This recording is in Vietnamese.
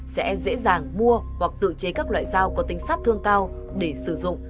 sẽ dễ dàng mua hoặc tự chế các loại dao có tính sát thương cao để sử dụng